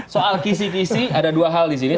soal kisi kisi ada dua hal di sini